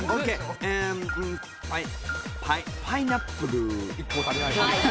パイナップル。